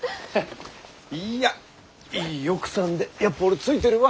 いやいい奥さんでやっぱ俺ついてるわ。